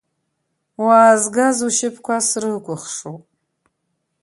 Уаазгаз ушьапқәа срыкәыхшоуп!